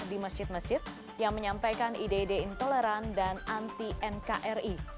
di masjid masjid yang menyampaikan ide ide intoleran dan anti nkri